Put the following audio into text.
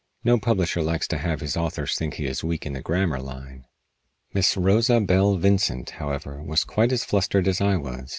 No publisher likes to have his authors think he is weak in the grammar line. Miss Rosa Belle Vincent, however, was quite as flustered as I was.